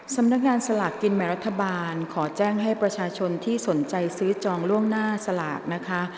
สำนักงานสลากกินแบ่งรัฐบาลขอแจ้งให้ประชาชนที่สนใจซื้อจองล่วงหน้าสลากนะคะ